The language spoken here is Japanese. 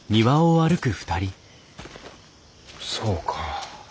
そうか。